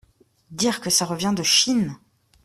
Dire que ça revient de Chine !